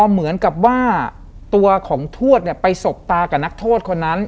เหมือนกับว่าตัวของทวดไปสบตากับนักโทษคนนั้น